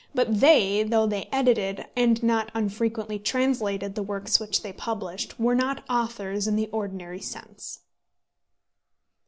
But they, though they edited, and not unfrequently translated the works which they published, were not authors in the ordinary sense.